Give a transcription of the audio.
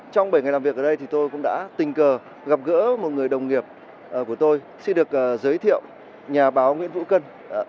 trong bảy ngày làm việc ở đây thì tôi cũng đã tình cờ gặp gỡ một người đồng nghiệp của tôi xin được giới thiệu nhà báo nguyễn vũ cân